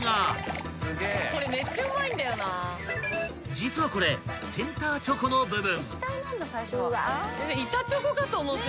［実はこれセンターチョコの部分］